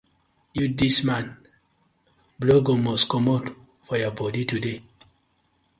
Yu dis man, blood go must komot for yah bodi today.